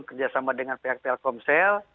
kerjasama dengan pihak telkomsel